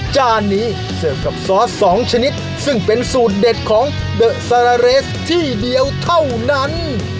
จานนี้เสิร์ฟกับซอสสองชนิดซึ่งเป็นสูตรเด็ดของเดอะซาราเรสที่เดียวเท่านั้น